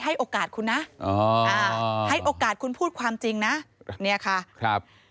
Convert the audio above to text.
ให้โอกาสคุณนะอ๋ออ่าให้โอกาสคุณพูดความจริงนะเนี่ยค่ะครับ